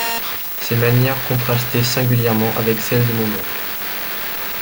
Ses manières contrastaient singulièrement avec celles de mon oncle.